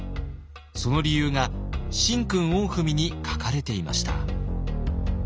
その理由が「神君御文」に書かれていました。